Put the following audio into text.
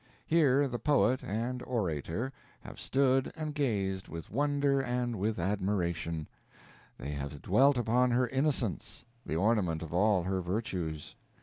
Here the poet and orator have stood and gazed with wonder and with admiration; they have dwelt upon her innocence, the ornament of all her virtues.